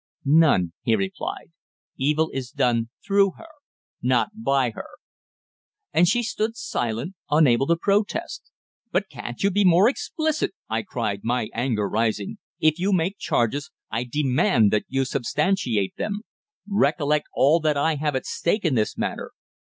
"None," he replied. "Evil is done through her not by her." And she stood silent, unable to protest. "But can't you be more explicit?" I cried, my anger rising. "If you make charges, I demand that you shall substantiate them. Recollect all that I have at stake in this matter."